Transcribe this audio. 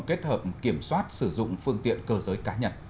kết hợp kiểm soát sử dụng phương tiện cơ giới cá nhân